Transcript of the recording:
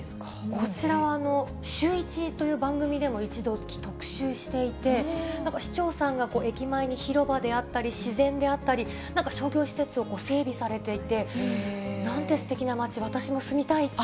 こちらは、シューイチという番組でも一度、特集していて、市町村が駅前に広場であったり、自然であったり、なんか商業施設を整備されていて、なんてすてきな街、私も住みたいって。